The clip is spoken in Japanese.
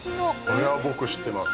これは僕知ってます。